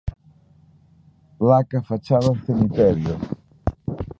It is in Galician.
Placa fachada cemiterio.